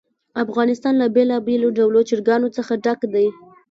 افغانستان له بېلابېلو ډولو چرګانو څخه ډک دی.